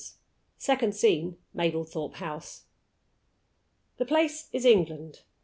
SECOND SCENE. Mablethorpe House. PREAMBLE. THE place is England.